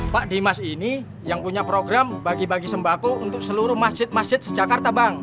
pak dimas ini yang punya program bagi bagi sembako untuk seluruh masjid masjid sejakarta bang